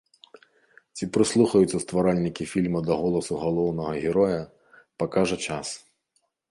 Ці прыслухаюцца стваральнікі фільма да голасу галоўнага героя, пакажа час.